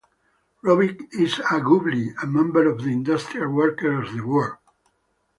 Rovics is a Wobbly- a member of the Industrial Workers of the World.